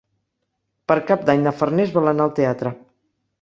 Per Cap d'Any na Farners vol anar al teatre.